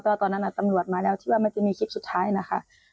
ตอนนั้นตำรวจมาแล้วที่ว่ามันจะมีคลิปสุดท้ายนะคะ